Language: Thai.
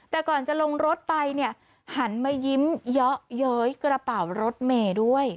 แต่ก่อนจะลงรถไปเนี่ยหันมายิ้มเยาะเย้ยกระเป๋ารถเมย์ด้วย